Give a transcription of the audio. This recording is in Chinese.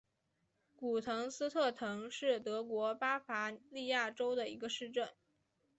古滕斯特滕是德国巴伐利亚州的一个市镇。